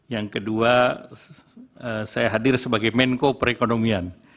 yang kedua saya hadir sebagai menko perekonomian